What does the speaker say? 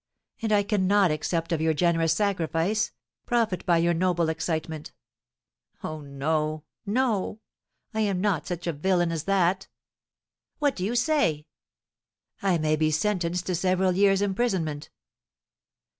And I cannot accept of your generous sacrifice profit by your noble excitement. Oh, no, no; I am not such a villain as that!" "What do you say?" "I may be sentenced to several years' imprisonment."